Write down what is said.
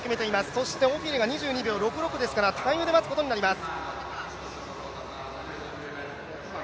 そしてオフィリが２２秒６６ですからタイムで待つことになります。